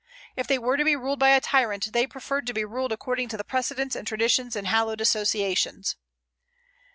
If they were to be ruled by a tyrant, they preferred to be ruled according to precedents and traditions and hallowed associations.